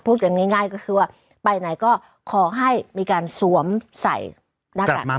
พูดอย่างง่ายง่ายก็คือว่าไปไหนก็ขอให้มีการสวมใส่หน้ากากกันใหม่